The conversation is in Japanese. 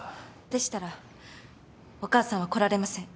でしたらお母さんは来られません。